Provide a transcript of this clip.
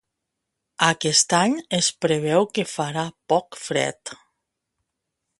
Aquest any es preveu que farà poc fred.